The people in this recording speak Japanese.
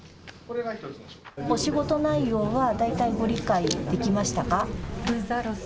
お仕事内容は大体ご理解できましたか。